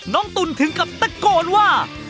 ตุ๋นถึงกับตะโกนว่า